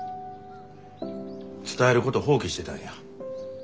伝えること放棄してたんや。